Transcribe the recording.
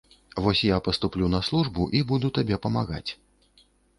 Вось я паступлю на службу і буду табе памагаць.